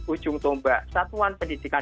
ujung tombak satuan pendidikan